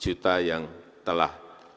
sepuluh juta yang telah